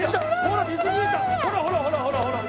ほらほらほらほらほら。